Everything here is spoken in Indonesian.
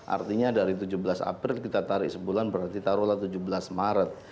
artinya dari tujuh belas april kita tarik sebulan berarti taruhlah tujuh belas maret